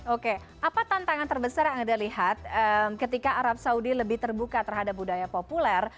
oke apa tantangan terbesar yang anda lihat ketika arab saudi lebih terbuka terhadap budaya populer